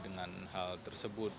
dengan hal tersebut